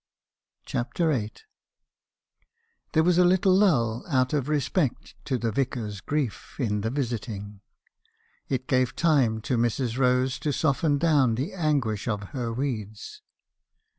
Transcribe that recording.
CHAPTER VIE. "Theee was a little lull, out of respect to the Vicar's grief, in the visiting. It gave time to Mrs. Rose to soften down the anguish of her weeds.